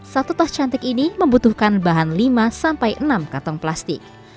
satu tas cantik ini membutuhkan bahan lima sampai enam kantong plastik